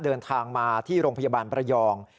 เดินทางมาที่โรงพยาบาลประยอง